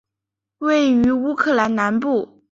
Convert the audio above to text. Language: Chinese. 位于乌克兰南部。